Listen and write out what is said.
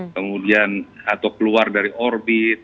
kemudian atau keluar dari orbit